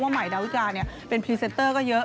ใหม่ดาวิกาเป็นพรีเซนเตอร์ก็เยอะ